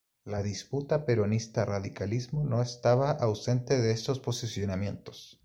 La disputa peronista radicalismo no estaba ausente de estos posicionamientos.